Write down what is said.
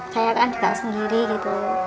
saya kan tidak sendiri gitu